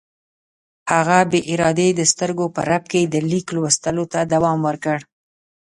هغه بې ارادې د سترګو په رپ کې د لیک لوستلو ته دوام ورکړ.